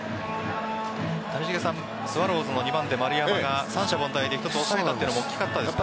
谷繁さんスワローズの２番手・丸山が三者凡退で一つ抑えたというのも大きかったですね。